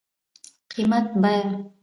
قيمت √ بيه